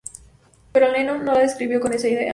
Pero Lennon no la escribió con esa idea.